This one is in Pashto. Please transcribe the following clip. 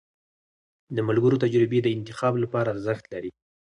د ملګرو تجربې د انتخاب لپاره ارزښت لري.